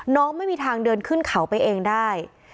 ไม่มีทางเดินขึ้นเขาไปเองได้